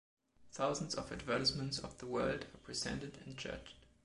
Thousands of advertisements of the world are presented and judged.